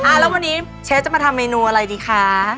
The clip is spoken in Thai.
แล้ววันนี้เชฟจะมาทำเมนูอะไรดีคะ